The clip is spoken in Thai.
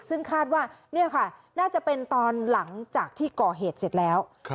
ซึ่งคาดว่านี่ค่ะน่าจะเป็นตอนหลังจากที่ก่อเหตุเสร็จแล้ว